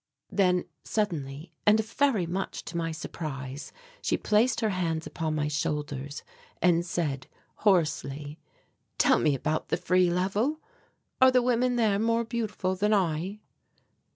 Then suddenly, and very much to my surprise, she placed her hands upon my shoulders and said hoarsely: "Tell me about the Free Level. Are the women there more beautiful than I?"